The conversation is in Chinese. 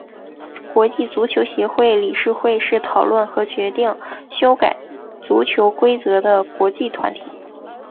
国际足球协会理事会是讨论和决定修改足球规则的国际团体。